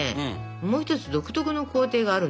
もう一つ独特の工程があるんですよ。